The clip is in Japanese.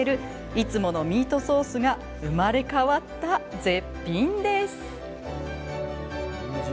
いつものミートソースが生まれ変わった絶品です。